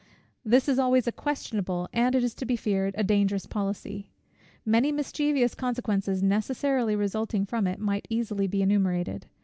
This is always a questionable, and, it is to be feared, a dangerous policy. Many mischievous consequences necessarily resulting from it might easily be enumerated.